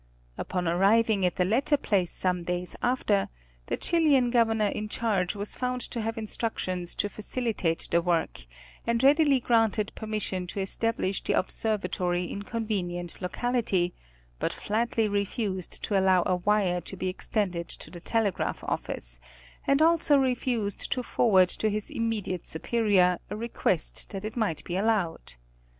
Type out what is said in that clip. Upon arriving at the latter place some days after, the Chilian governor in charge was found to have instructions to facilitate the work, and readily granted permission to establish the observa tory in a convenient locality, but flatly refused to allow a wire to be extended to the telegraph office, and also refused to forward to his immediate superior, a request that it might be allowed.